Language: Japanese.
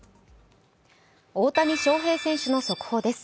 大谷翔平選手の速報です。